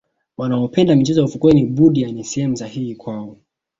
wanaopenda michezo ya ufukweni budya ni sehemu sahihi kwao